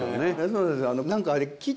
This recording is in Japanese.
そうですね。